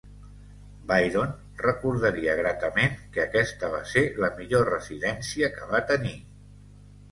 Byron recordaria gratament que aquesta va ser la millor residència que va tenir.